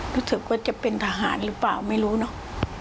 รู้สึกว่าจะเป็นทหารหรือเปล่าไม่รู้เนอะ